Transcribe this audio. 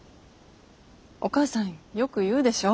お母さんよく言うでしょ。